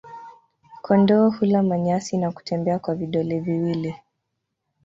Kondoo hula manyasi na kutembea kwa vidole viwili.